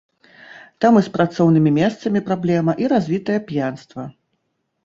Там і з працоўнымі месцамі праблема і развітае п'янства.